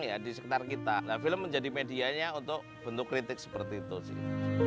ya di sekitar kita nah film menjadi medianya untuk bentuk kritik seperti itu sih